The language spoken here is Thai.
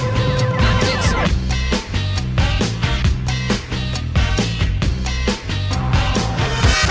โปรดติดตามตอนต่อไป